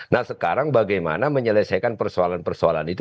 nah sekarang bagaimana menyelesaikan persoalan persoalan itu